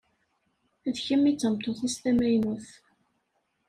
D kemm i d tameṭṭut-is tamaynut.